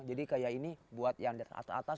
jadi kayak ini buat yang atas atas